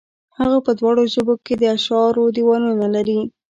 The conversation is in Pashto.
هغه په دواړو ژبو کې د اشعارو دېوانونه لري.